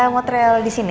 mau trail di sini